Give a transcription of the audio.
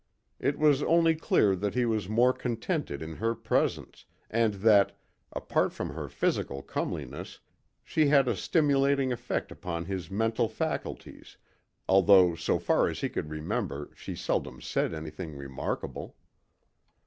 It was only clear that he was more contented in her presence, and that, apart from her physical comeliness, she had a stimulating effect upon his mental faculties, although so far as he could remember she seldom said anything remarkable.